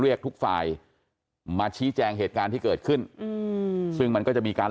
เรียกทุกฝ่ายมาชี้แจงเหตุการณ์ที่เกิดขึ้นอืมซึ่งมันก็จะมีการ